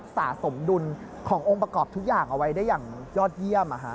สะสมดุลขององค์ประกอบทุกอย่างเอาไว้ได้อย่างยอดเยี่ยม